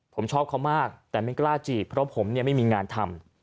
ผมชอบเขามากแต่ไม่กล้าจีบเพราะผมไม่มีงานทำ